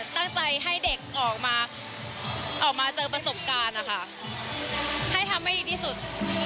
ตั้งใจให้เด็กออกมาออกมาเจอประสบการณ์นะคะให้ทำให้ดีที่สุด